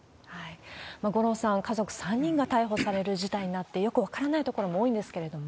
五郎さん、家族３人が逮捕される事態になって、よく分からないところも多いんですけれども。